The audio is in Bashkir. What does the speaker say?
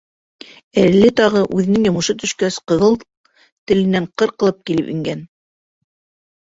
Әле тағы, үҙенең йомошо төшкәс, ҡыҙыл теленән ҡырҡылып килеп ингән.